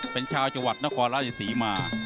เป็นชาวจังหวัดนครราชศรีมา